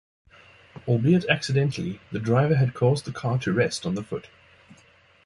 Albeit accidentally, the driver had caused the car to rest on the foot.